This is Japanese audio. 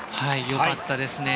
よかったですね。